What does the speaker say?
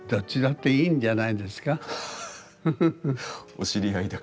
お知り合いだから。